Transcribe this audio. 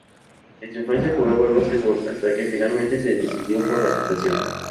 En su infancia jugaba al básquetbol hasta que finalmente se decidió por la natación.